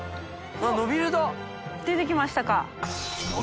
緑川）出てきましたか？